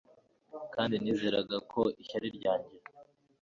Kandi nizeraga ko ishyari ryanjye